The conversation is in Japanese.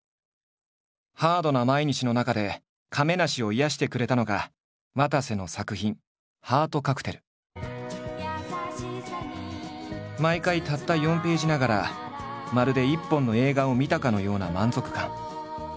ハードな毎日の中で亀梨を癒やしてくれたのがわたせの作品毎回たった４ページながらまるで一本の映画を見たかのような満足感。